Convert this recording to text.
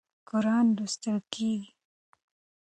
قرآن لوستل کېږي.